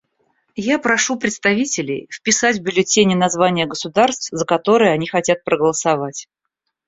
Я прошу представителей вписать в бюллетени названия государств, за которые они хотят проголосовать.